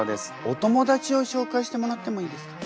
お友だちをしょうかいしてもらってもいいですか？